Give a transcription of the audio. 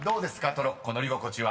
トロッコ乗り心地は］